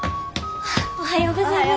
おはようございます。